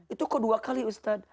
itu kedua kali ustadz